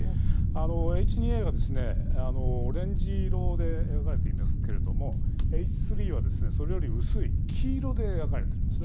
Ｈ２Ａはオレンジ色で描かれていますけれども、Ｈ３はそれより薄い、黄色で描かれているんですね。